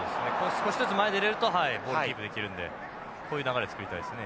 少しずつ前に出れるとボールキープできるんでこういう流れ作りたいですね。